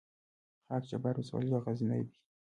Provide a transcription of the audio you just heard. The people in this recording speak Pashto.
خاک جبار ولسوالۍ غرنۍ ده؟